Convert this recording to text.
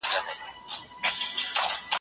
پیاوړی شاعر ارواښاد ګران آغاالفتیار